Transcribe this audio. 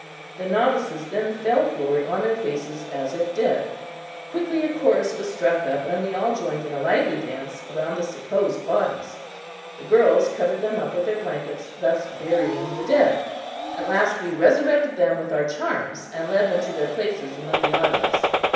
The novices then fell forward on their faces as if dead. Quickly a chorus was struck up and we all joined in a lively dance around the supposed bodies. The girls covered them up with their blankets, thus burying the dead. At last we resurrected them with our charms and led them to their places among the audience.